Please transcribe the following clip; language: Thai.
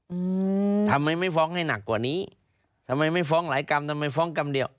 อืมทำไมไม่ฟ้องให้หนักกว่านี้ทำไมไม่ฟ้องหลายกรรมทำไมฟ้องกรรมเดียว